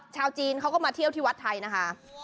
ชาวจีนเขาก็มาเที่ยวที่วัดไทยนะคะ